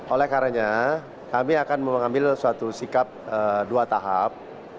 oleh karena kami akan mengambil suatu sikap dua tahap